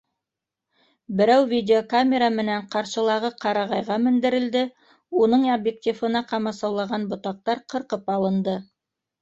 Берәү видеокамера менән ҡаршылағы ҡарағайға мендерелде, уның объективына ҡамасаулаған ботаҡтар ҡырҡып алынды.